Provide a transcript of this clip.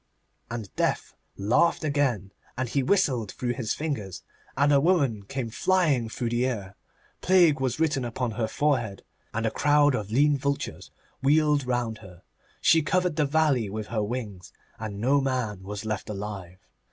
And Death laughed again, and he whistled through his fingers, and a woman came flying through the air. Plague was written upon her forehead, and a crowd of lean vultures wheeled round her. She covered the valley with her wings, and no man was left alive.